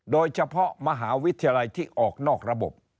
โดยเฉพาะมหาวิทยาลัยที่ออกนอกระบบ